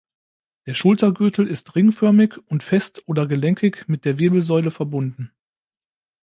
Der Schultergürtel ist ringförmig und fest oder gelenkig mit der Wirbelsäule verbunden.